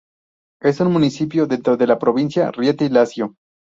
Es un municipio dentro de la provincia de Rieti, Lazio.